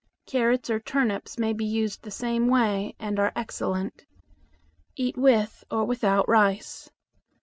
Carrots or turnips may be used the same way and are excellent. Eat with or without rice.